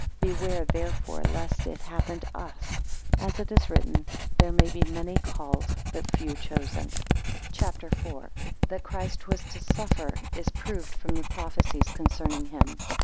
17 Beware, therefore, lest it happen to us; as it is written There may be many called, but few chosen. CHAPTER IV. That Christ was to suffer is proved from the prophecies concerning him.